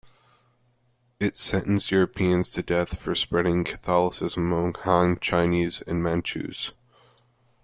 It sentenced Europeans to death for spreading Catholicism among Han Chinese and Manchus.